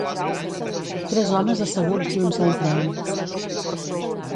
Tres homes asseguts junts al tren.